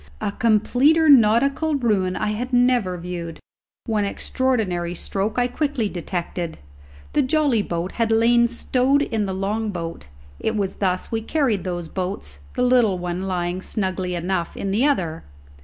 A completer nautical ruin I had never viewed. One extraordinary stroke I quickly detected. The jolly boat had lain stowed in the long boat; it was thus we carried those boats, the little one lying snugly enough in the other.